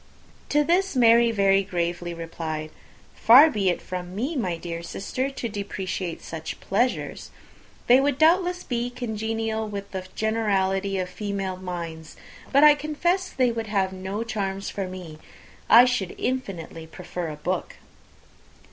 To this, Mary very gravely replied, "Far be it from me, my dear sister, to depreciate such pleasures. They would doubtless be congenial with the generality of female minds. But I confess they would have no charms for me. I should infinitely prefer a book."